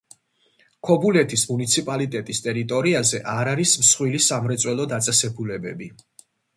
ქობულეთის მუნიციპალიტეტის ტერიტორიაზე არ არის მსხვილი სამრეწველო დაწესებულებები.